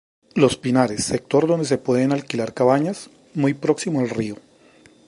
Los pinares: sector donde se pueden alquilar cabañas, muy próximo al río.